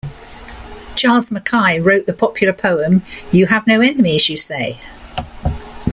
Charles Mackay wrote the popular poem You have no enemies, you say?